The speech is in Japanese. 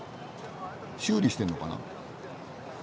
修理してんのかな？